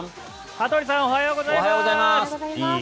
羽鳥さんおはようございます。